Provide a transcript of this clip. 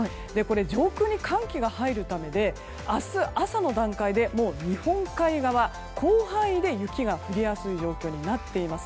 上空に寒気が入るためで明日朝の段階でもう日本海側広範囲で雪が降りやすい状況になっています。